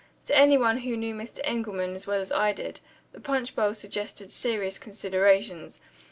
To anyone who knew Mr. Engelman as well as I did, the punch bowl suggested serious considerations.